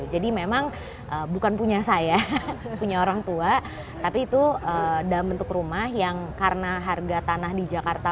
jadi memang bukan punya saya punya orang tua tapi itu dalam bentuk rumah yang karena harga tanah di jakarta